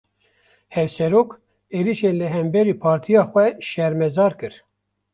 Hevserok, êrîşên li hemberî partiya xwe şermezar kir